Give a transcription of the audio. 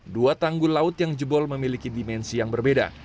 dua tanggul laut yang jebol memiliki dimensi yang berbeda